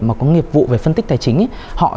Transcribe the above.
mà có nghiệp vụ về phân tích tài chính